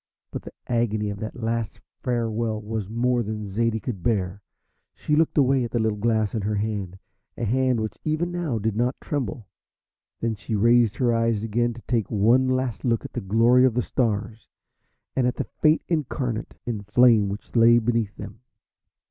But the agony of that last farewell was more than Zaidie could bear. She looked away at the little glass in her hand, a hand which even now did not tremble. Then she raised her eyes again to take one last look at the glory of the stars, and at the Fate Incarnate in Flame which lay beneath them.